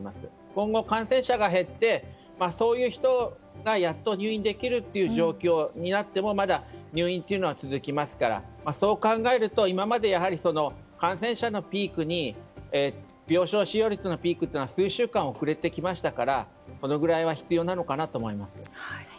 今後、感染者が減ってそういう人がやっと入院できるという状況になってもまだ入院は続きますからそう考えると今まで感染者のピークに病床使用率のピークというのは数週間遅れてきましたからこのぐらいは必要かなと思います。